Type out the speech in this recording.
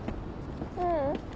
ううん。